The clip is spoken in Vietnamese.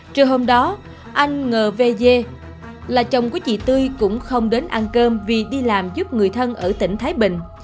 trừ hôm đó anh ngờ về dê là chồng của chị tươi cũng không đến ăn cơm vì đi làm giúp người thân ở tỉnh thái bình